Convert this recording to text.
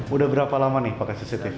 udah berapa lama nih pakai cctv